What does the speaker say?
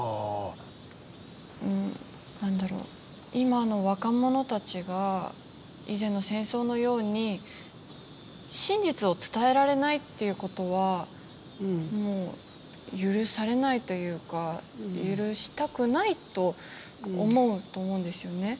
何だろう今の若者たちが以前の戦争のように真実を伝えられないっていうことはもう許されないというか許したくないと思うと思うんですよね。